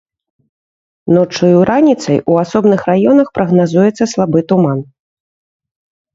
Ноччу і раніцай у асобных раёнах прагназуецца слабы туман.